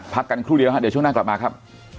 พักกันครู่เดียวฮะเดี๋ยวช่วงหน้ากลับมาครับ